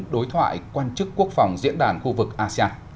đối thoại quan chức quốc phòng diễn đàn khu vực asean